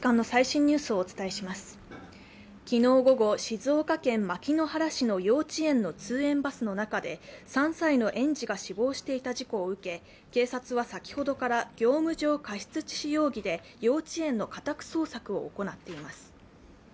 昨日午後、静岡県牧之原市の幼稚園の通園バスの中で３歳の園児が死亡していた事故を受け、警察は先ほどから業務上過失致死容疑で幼稚園の家宅捜索を行っています。